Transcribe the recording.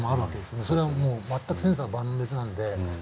それはもう全く千差万別なんで。